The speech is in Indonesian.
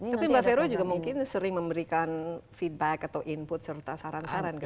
tapi mbak vero juga mungkin sering memberikan feedback atau input serta saran saran